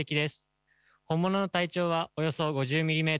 本物の体長はおよそ５０ｍｍ。